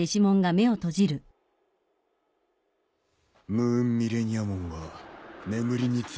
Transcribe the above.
ムーンミレニアモンは眠りについたようだ。